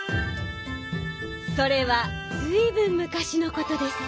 それはずいぶんむかしのことです。